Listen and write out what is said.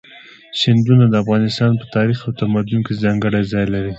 سیندونه د افغانستان په تاریخ او تمدن کې ځانګړی ځای لري.